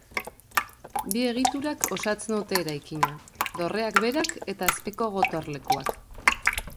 Bi egiturak osatzen dute eraikina: dorreak berak eta azpiko gotorlekuak.